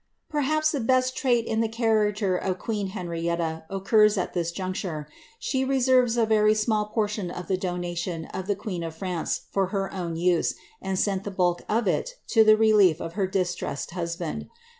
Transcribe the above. Perhaps the best trait in the character of queen Henrietta occurs it this juncture ; she reserved a very small portion of the donation of tbe queen of France for her own use, and sent the bulk of it to the relief of her distressed husband.